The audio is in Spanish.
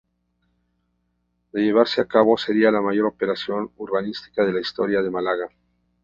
De llevarse a cabo sería la mayor operación urbanística de la historia de Málaga.